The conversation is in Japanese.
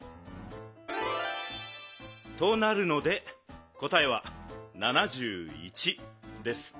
となるのでこたえは７１です。